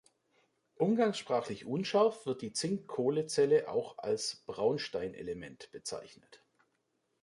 Umgangssprachlich unscharf wird die Zink-Kohle-Zelle auch als "Braunstein-Element" bezeichnet.